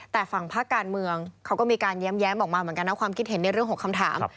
แต่ฝั่งภาคการเมืองเขาก็มีการแย้มออกมาเหมือนกันนะความคิดเห็นในเรื่องของคำถาม